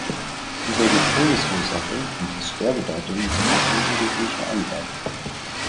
Über die Todesursache und das Sterbedatum gibt es unterschiedliche Angaben.